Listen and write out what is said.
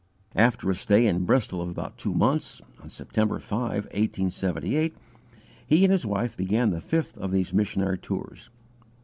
After a stay in Bristol of about two months, on September 5, 1878, he and his wife began the fifth of these missionary tours.